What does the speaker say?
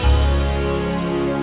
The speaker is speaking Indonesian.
lepasin lepasin tangguh